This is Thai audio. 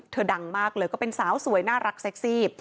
ดังมากเลยก็เป็นสาวสวยน่ารักเซ็กซี่